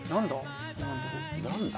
何だ？